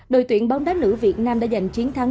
đội tuyển bóng đá nữ việt nam đã giành chiến thắng